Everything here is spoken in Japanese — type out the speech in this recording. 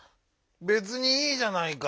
べつにいいじゃないか！